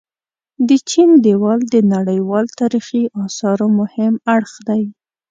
د چين ديوال د نړيوال تاريخي اثارو مهم اړخ دي.